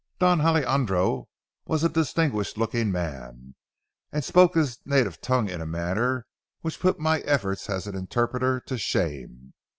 Don Alejandro was a distinguished looking man, and spoke his native tongue in a manner which put my efforts as an interpreter to shame.